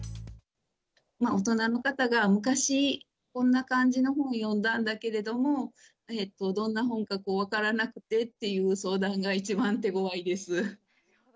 大人の方が昔、こんな感じの本読んだんだけれど、どんな本か分からなくてっていう相談が一番手ごわいです。